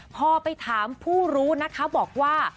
พอไปถามผู้รู้นะคะบอกว่า